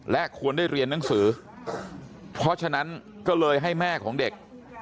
และควรได้เรียนหนังสือเพราะฉะนั้นก็เลยให้แม่ของเด็ก